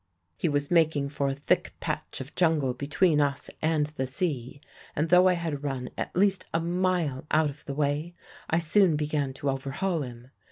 "He was making for a thick patch of jungle between us and the sea, and though I had run at least a mile out of the way I soon began to overhaul him.